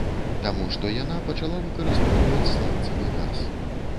Таму што яна пачала выкарыстоўваць сланцавы газ.